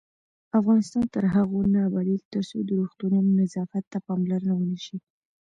افغانستان تر هغو نه ابادیږي، ترڅو د روغتونونو نظافت ته پاملرنه ونشي.